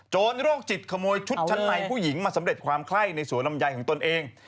โรคจิตขโมยชุดชั้นในผู้หญิงมาสำเร็จความไข้ในสวนลำไยของตนเอง